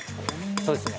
そうですね。